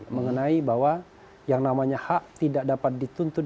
mengenai bahwa yang namanya hak tidak dapat dituntut